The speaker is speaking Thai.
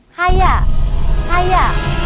ใครอ่ะใครอ่ะ